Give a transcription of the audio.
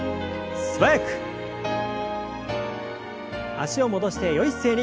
脚を戻してよい姿勢に。